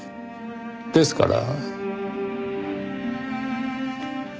ですから。